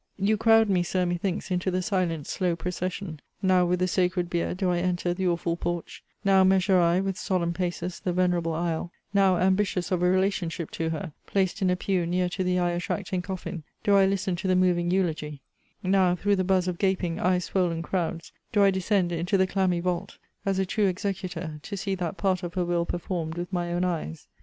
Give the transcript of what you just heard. You crowd me, Sir, methinks, into the silent slow procession now with the sacred bier, do I enter the awful porch; now measure I, with solemn paces, the venerable aisle; now, ambitious of a relationship to her, placed in a pew near to the eye attracting coffin, do I listen to the moving eulogy; now, through the buz of gaping, eye swoln crowds, do I descend into the clammy vault, as a true executor, to see that part of her will performed with my own eyes.